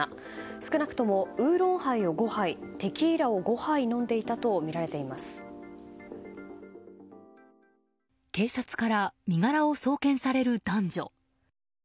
少なくともウーロンハイを５杯テキーラを５杯飲んでいたと警察から身柄を送検される男女。